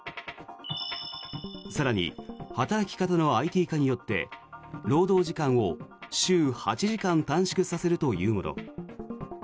更に働き方のＩＴ化によって労働時間を週８時間短縮させるというもの。